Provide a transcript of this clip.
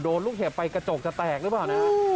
ลูกเห็บไปกระจกจะแตกหรือเปล่านะ